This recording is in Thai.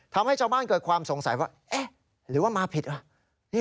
ทำให้ชาวบ้านเกิดความสงสัยว่าเอ๊ะหรือว่ามาผิดเหรอ